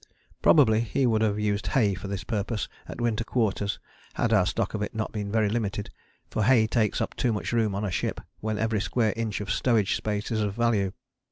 Probably he would have used hay for this purpose at Winter Quarters had our stock of it not been very limited, for hay takes up too much room on a ship when every square inch of stowage space is of value.